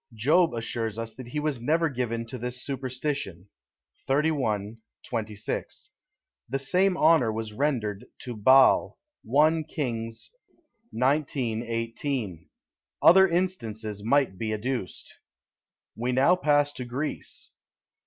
Job assures us that he was never given to this superstition, xxxi. 26. The same honour was rendered to Baal, 1 Kings xix. 18. Other instances might be adduced. We now pass to Greece.